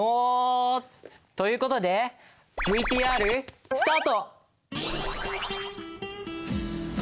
という事でＶＴＲスタート！